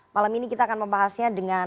malam ini kita akan membahasnya dengan